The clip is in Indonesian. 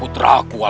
yang jalan sejarah